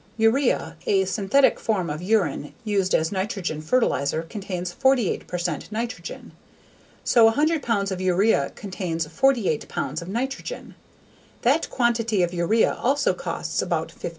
Urea, a synthetic form of urine used as nitrogen fertilizer contains 48 percent nitrogen. So 100 pounds of urea contains 48 pounds of nitrogen. That quantity of urea also costs about $15.